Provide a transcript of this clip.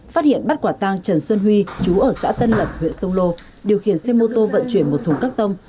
phát hiện bắt quả tăng trần xuân huy chú ở xã tân lập huyện sông lô điều khiển xe mô tô vận chuyển một thùng các tông